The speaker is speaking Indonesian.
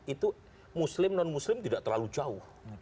itu muslim non muslim tidak terlalu jauh